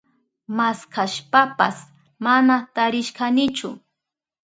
Maskashpapas mana tarishkanichu.